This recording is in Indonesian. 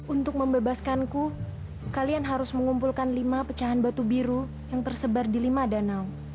untuk membebaskanku kalian harus mengumpulkan lima pecahan batu biru yang tersebar di lima danau